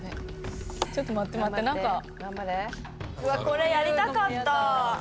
これやりたかった。